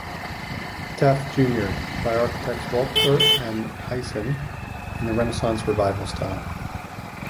Taft Junior by architects Walker and Eisen, in the Renaissance Revival style.